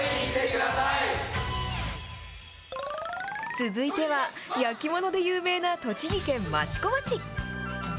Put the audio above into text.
続いては、焼き物で有名な栃木県益子町。